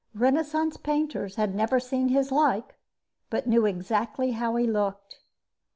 Renaissance painters had never seen his like but knew exactly how he looked.